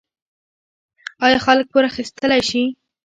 آیا خلک پور اخیستلی شي؟